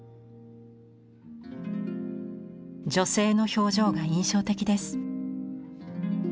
女性の表情が印象的です。